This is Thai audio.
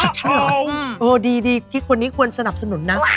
เสียหรอว่าดีนะคะที่คนนี้ควรสนับสนุนนะ